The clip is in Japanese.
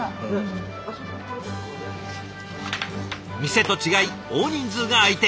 店と違い大人数が相手。